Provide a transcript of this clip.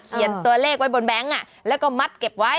ตัวเลขไว้บนแบงค์แล้วก็มัดเก็บไว้